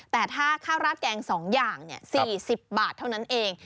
แต่ถ้าข้าวราดแกง๒อย่าง๔๐บาทเท่านั้นเอง